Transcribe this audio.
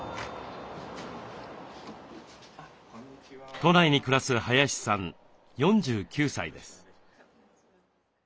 都内に暮らす林さん４９歳です。